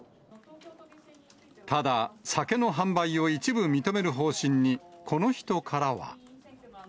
ただ、酒の販売を一部認める方針に、この人からは。